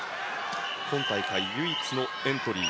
今大会唯一のエントリー。